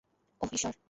ওহহ, ঈশ্বর।